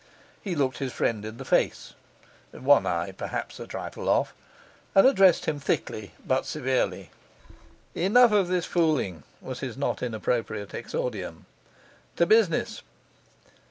He looked his friend in the face (one eye perhaps a trifle off), and addressed him thickly but severely. 'Enough of this fooling,' was his not inappropriate exordium. 'To business.